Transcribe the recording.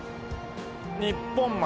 日本丸。